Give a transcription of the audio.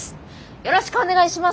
よろしくお願いします！